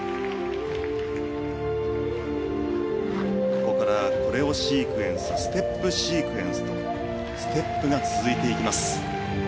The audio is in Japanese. ここからコレオシークエンスステップシークエンスとステップが続いていきます。